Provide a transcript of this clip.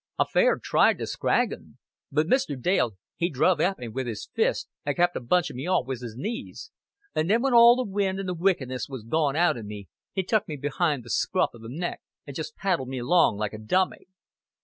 I fair tried to scrag 'un. But Mr. Dale he druv at me wi' 's fist, and kep' a bunching me off wi' 's knees, and then when all the wind and the wickedness was gone out o' me, he tuk me behind th' scruff a' the neck and just paddled me along like a dummy."